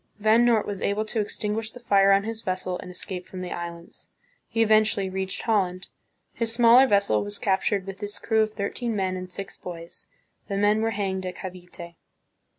Van Noort was able to extin guish the fire on his vessel, and escape from the Islands. He eventually reached Holland. His smaller vessel was captured with its crew of thirteen men and six boys. The men were hanged at Cavite.